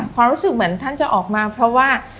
ความรู้สึกเหมือนท่านจะออกมาเพราะว่า